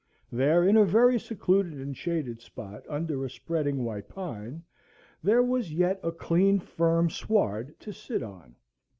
There, in a very secluded and shaded spot, under a spreading white pine, there was yet a clean, firm sward to sit on.